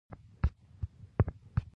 د کندهار لمر ډیر توند دی.